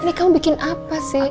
ini kamu bikin apa sih